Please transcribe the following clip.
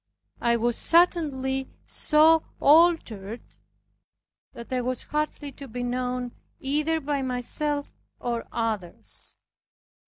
I was suddenly so altered that I was hardly to be known either by myself or others.